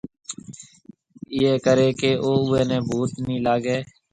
ايئيَ ڪرَي ڪہ اوئيَ ني ڀُوت نِي لاگيَ